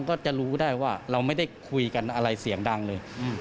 ก็จะรู้ได้ว่าเราไม่ได้คุยกันอะไรเสียงดังเลย